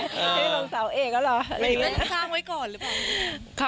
นั่นสร้างไว้ก่อนหรือเปล่า